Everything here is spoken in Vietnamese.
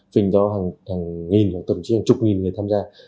phình do hàng nghìn tổ chức hàng chục nghìn người tham gia